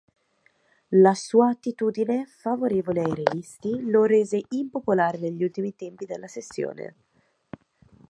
La sua attitudine, favorevole ai realisti, lo rese impopolare negli ultimi tempi della sessione.